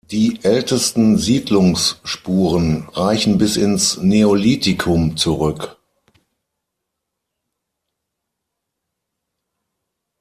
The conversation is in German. Die ältesten Siedlungsspuren reichen bis ins Neolithikum zurück.